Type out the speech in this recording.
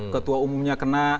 ketua umumnya kena